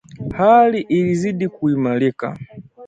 Hali ilizidi kuimarika